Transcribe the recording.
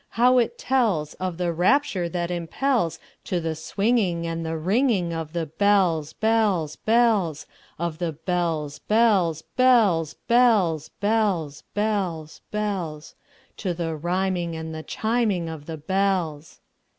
how it tellsOf the rapture that impelsTo the swinging and the ringingOf the bells, bells, bells, Of the bells, bells, bells, bells, Bells, bells, bells—To the rhyming and the chiming of the bells!